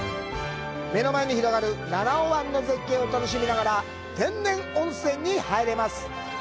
目の前に広がる七尾湾の絶景を楽しみながら天然温泉に入れます。